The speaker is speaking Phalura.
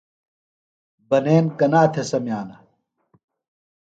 بنین کنا تھےۡ سمِیانہ؟